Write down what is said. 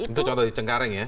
itu contoh di cengkareng ya